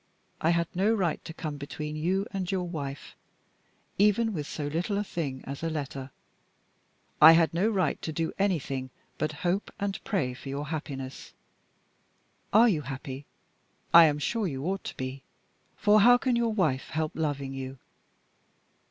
"I had no right to come between you and your wife, even with so little a thing as a letter; I had no right to do anything but hope and pray for your happiness. Are you happy? I am sure you ought to be; for how can your wife help loving you?